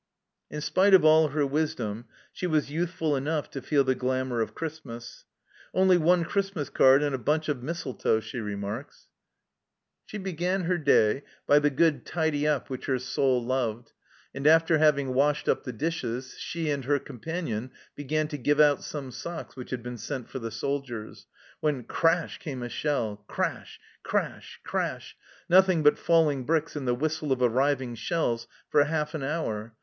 In spite of all her wisdom, she was youthful enough to feel the glamour of Christmas. " Only one Christmas card and a bunch of mistletoe," she remarks. THE END OF 1914 187 She began her day by the good " tidy up " which her soul loved, and after having washed up the dishes, she and her companion began to give out some socks which had been sent for the soldiers, when " Crash came a shell ! Crash ! Crash ! Crash ! Nothing but falling bricks and the whistle of arriving shells for half an hour.